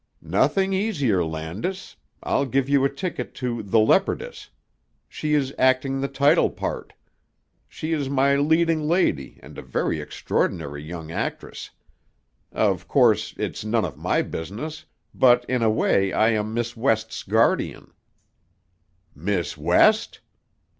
"Nothing easier, Landis. I'll give you a ticket to 'The Leopardess.' She is acting the title part. She is my leading lady and a very extraordinary young actress. Of course, it's none of my business, but in a way I am Miss West's guardian " "Miss West?"